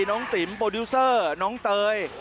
ติ๋มโปรดิวเซอร์น้องเตย